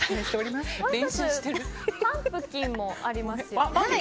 パンプキンもありますね。